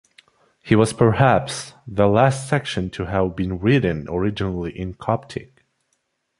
His was perhaps the last section to have been written originally in Coptic.